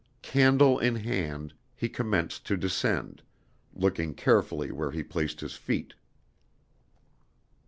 Candle in hand, he commenced to descend, looking carefully where he placed his feet.